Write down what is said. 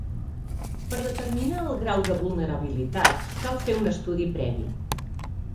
Per determinar el grau de vulnerabilitat cal fer un estudi previ.